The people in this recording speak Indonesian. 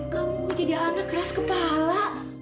kamu jadi anak keras kepala